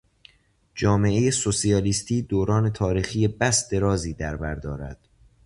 جامعهٔ سوسیالیستی دوران تاریخی بس درازی در بر دارد.